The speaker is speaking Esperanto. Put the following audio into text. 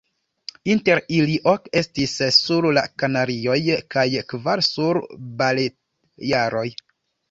Inter ili ok estis sur la Kanarioj kaj kvar sur la Balearoj.